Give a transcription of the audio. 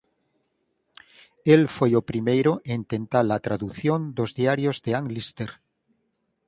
El foi o primeiro en tentar a tradución dos diarios de Anne Lister.